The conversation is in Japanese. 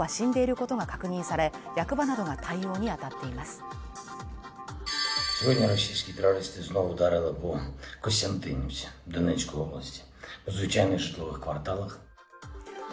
そのうちおよそ５頭は死んでいることが確認され、役場などが対応にあたっています。